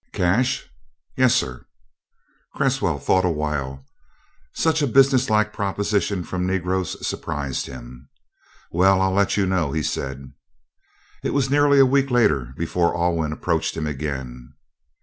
"Cash?" "Yes, sir." Cresswell thought a while; such a business like proposition from Negroes surprised him. "Well, I'll let you know," he said. It was nearly a week later before Alwyn approached him again.